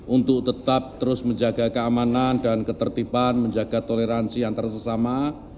untuk tetap terus menjaga keamanan dan ketertiban menjaga toleransi antara sesama